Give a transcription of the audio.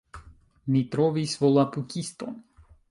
Mi trovis Volapukiston!